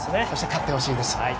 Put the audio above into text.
そして勝ってほしいです。